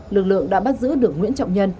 lực lượng đã bắt giữ được nguyễn trọng nhân